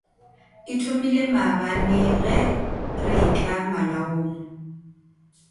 E thomile maabane ge re etla malaong.